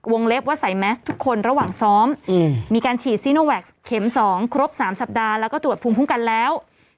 เล็บว่าใส่แมสทุกคนระหว่างซ้อมมีการฉีดซีโนแวคเข็ม๒ครบ๓สัปดาห์แล้วก็ตรวจภูมิคุ้มกันแล้ว